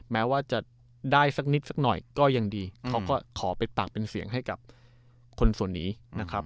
แม้ว่าจะได้สักนิดสักหน่อยก็ยังดีเขาก็ขอเป็นปากเป็นเสียงให้กับคนส่วนนี้นะครับ